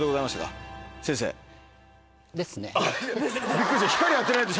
びっくりした。